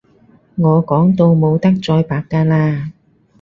我講到冇得再白㗎喇